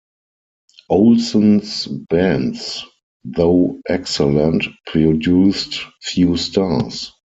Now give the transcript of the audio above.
Olsen's bands, though excellent, produced few stars.